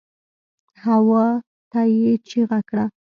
هواته يې چيغه کړه.